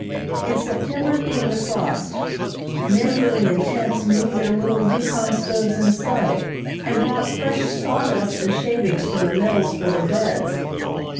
In September came the frosts. Men living in tents moved their little Yukon stoves inside, and brought fresh sawdust and shavings from the mills for their beds.